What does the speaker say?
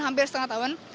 hampir setengah tahun